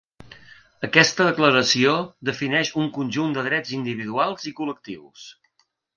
Aquesta declaració defineix un conjunt de drets individuals i col·lectius.